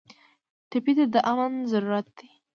ټپي ته د امن ضرورت دی.